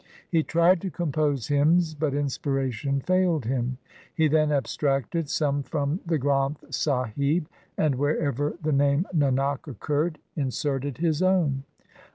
He tried to compose hymns but inspiration failed him. He then abstracted some from the Granth Sahib, and wherever the name Nanak occurred inserted his own.